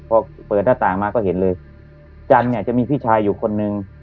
พอเปิดหน้าต่างมาก็เห็นเลยจันทร์เนี่ยจะมีพี่ชายอยู่คนนึง